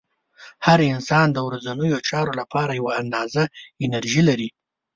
هر انسان د ورځنیو چارو لپاره یوه اندازه انرژي لري.